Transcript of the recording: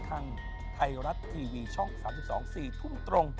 ทางไทยรัฐทีวีช่อง๓๒๔ทุ่มตรง